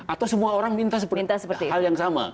atau semua orang minta seperti hal yang sama